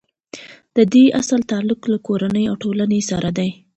د دې اصل تعلق له کورنۍ او ټولنې سره دی.